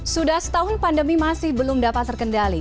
sudah setahun pandemi masih belum dapat terkendali